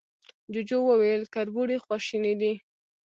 جوجو وويل، کربوړی خواشينی دی.